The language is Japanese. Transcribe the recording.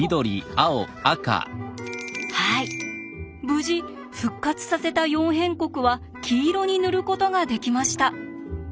無事復活させた「四辺国」は黄色に塗ることができました。